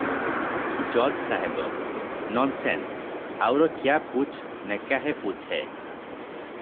ଜଜ୍ ସାହେବ -"ନନ୍ସେନ୍ସ! ଆଉର କ୍ୟା ପୁଚ୍ଛ୍ ନେକା ହେ ପୁଚ୍ଛେ ।